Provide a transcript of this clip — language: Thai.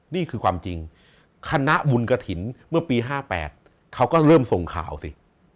นี่คือความจริงคณะบุญกระถิ่นเมื่อปี๕๘เขาก็เริ่มส่งข่าวสิ